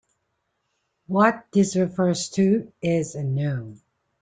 What this refers to is unknown.